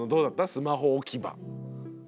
スマホ置き場。